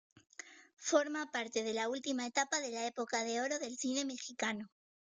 Forma parte de la última etapa de la Época de oro del cine mexicano.